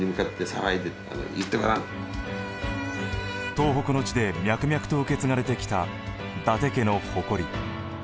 東北の地で脈々と受け継がれてきた伊達家の誇り。